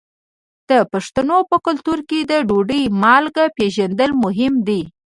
د پښتنو په کلتور کې د ډوډۍ مالګه پیژندل مهم دي.